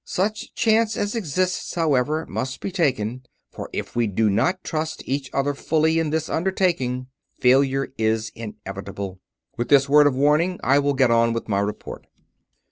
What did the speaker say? Such chance as exists, however, must be taken, for if we do not trust each other fully in this undertaking, failure is inevitable. With this word of warning I will get on with my report.